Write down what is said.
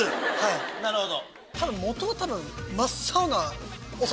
なるほど。